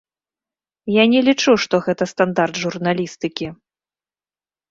Я не лічу, што гэта стандарт журналістыкі.